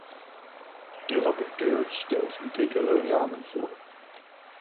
De rapporteur stelt dikkere ramen voor.